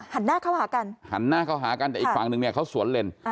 หันหน้าเข้าหากันหันหน้าเข้าหากันแต่อีกฝั่งนึงเนี่ยเขาสวนเล่น